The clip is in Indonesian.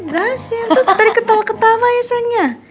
berhasil terus tadi ketawa ketawa ya sana